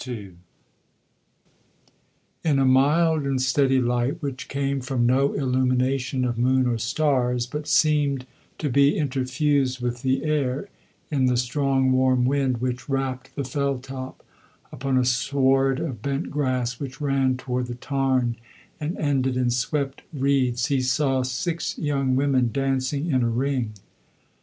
II In a mild and steady light, which came from no illumination of moon or stars, but seemed to be interfused with the air, in the strong warm wind which wrapped the fell top; upon a sward of bent grass which ran toward the tarn and ended in swept reeds he saw six young women dancing in a ring.